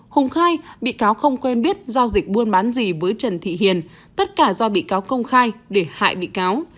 hùng khai bị cáo không quen biết giao dịch buôn bán gì với trần thị hiền tất cả do bị cáo công khai để hại bị cáo